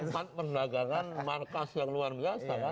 jadi itu adalah tempat perdagangan markas yang luar biasa kan